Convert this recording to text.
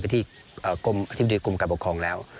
ที่กรมอธิบดีกรมการปกครองแล้ว